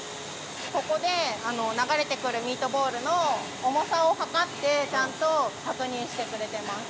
ここで流れてくるミートボールの重さを量ってちゃんと確認してくれてます。